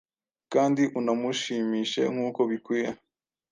kandi unamushimishe nkuko bikwiye